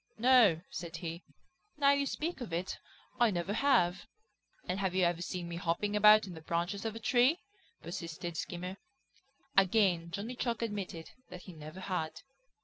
"No," said he, "now you speak of it, I never have." "And have you ever seen me hopping about in the branches of a tree?" persisted Skimmer. Again Johnny Chuck admitted that he never had.